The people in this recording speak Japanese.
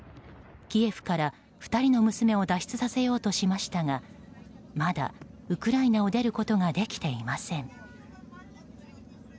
キエフから２人の娘を脱出させようとしましたがまだウクライナを出ることができていません。